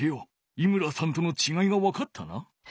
井村さんとのちがいがわかったな？